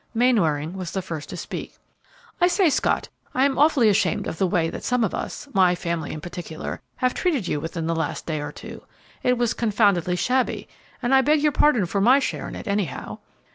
Mainwaring was the first to speak. "I say, Scott, I'm awfully ashamed of the way that some of us, my family in particular, have treated you within the last day or two. It was confoundedly shabby, and I beg your pardon for my share in it, anyhow."